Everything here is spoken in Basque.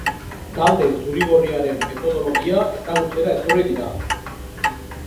Talde zuri-gorriaren metodologia ezagutzera etorri dira.